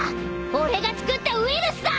俺が作ったウイルスだ！